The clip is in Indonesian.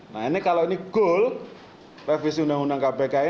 nah ini kalau ini goal revisi undang undang kpk ini